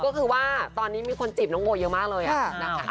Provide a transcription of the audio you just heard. ก็คือว่าตอนนี้มีคนจีบน้องโบเยอะมากเลยนะคะ